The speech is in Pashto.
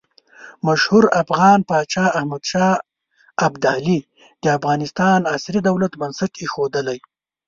مشهور افغان پاچا احمد شاه ابدالي د افغانستان عصري دولت بنسټ ایښودلی.